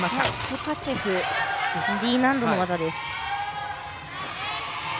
トカチェフＤ難度の技です。